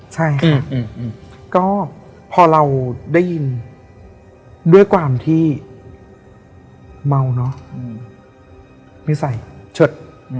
ใช่ค่ะก็พอเราได้ยินด้วยความที่เมาเนอะไม่ใส่เชิด